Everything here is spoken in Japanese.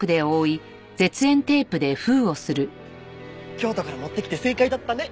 京都から持ってきて正解だったね。